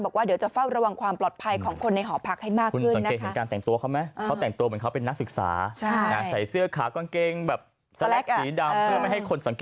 บอกว่าเดี๋ยวจะเฝ้าระวังความปลอดภัยของคนในหอพักให้มากขึ้น